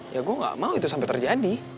ya gue gak mau itu sampai terjadi